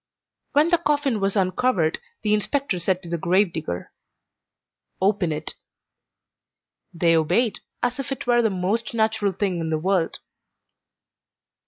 When the coffin was uncovered the inspector said to the grave digger: "Open it." They obeyed, as if it were the most natural thing in the world.